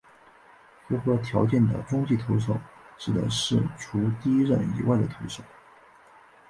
符合条件的中继投手指的是除了第一任以外的投手。